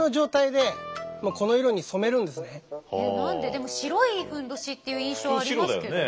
でも白いふんどしっていう印象ありますけどね。